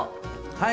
はい！